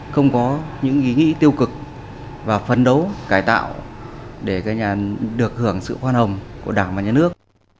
không có những ý nghĩa tiêu cực và phấn đấu cải tạo để được hưởng sự khoan hồng của đảng và nhà nước